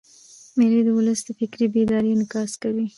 مېلې د اولس د فکري بیدارۍ انعکاس کوي.